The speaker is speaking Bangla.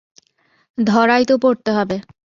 ধরাই তো পড়তে হবে।